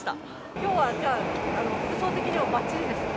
きょうはじゃあ、服装的にはばっちりですよね。